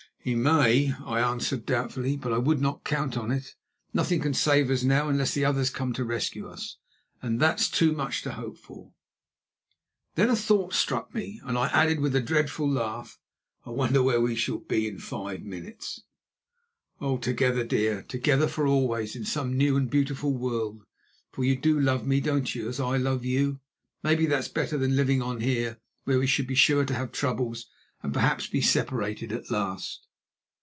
"He may," I answered doubtfully; "but I would not count on it. Nothing can save us now unless the others come to rescue us, and that's too much to hope for." Then a thought struck me, and I added with a dreadful laugh: "I wonder where we shall be in five minutes." "Oh! together, dear; together for always in some new and beautiful world, for you do love me, don't you, as I love you? Maybe that's better than living on here where we should be sure to have troubles and perhaps be separated at last."